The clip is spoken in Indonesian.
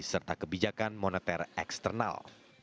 serta kebijakan moneter eksternal